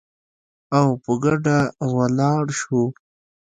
او په ګډه ولاړ شو